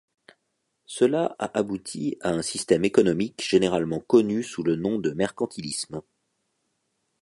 Cela a abouti à un système économique généralement connu sous le nom de mercantilisme.